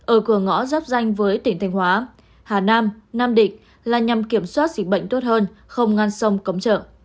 ở cửa ngõ giáp danh với tỉnh thanh hóa hà nam nam định là nhằm kiểm soát dịch bệnh tốt hơn không ngăn sông cấm chợ